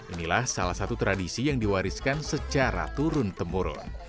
inilah salah satu tradisi yang diwariskan secara turun temurun